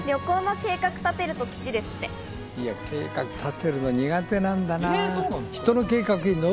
計画立てるの苦手なんだな。